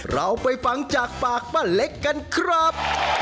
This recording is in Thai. เราไปฟังจากปากป้าเล็กกันครับ